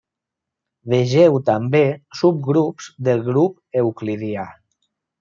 Vegeu també subgrups del grup euclidià.